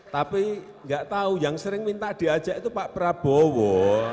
tapi nggak tahu yang sering minta diajak itu pak prabowo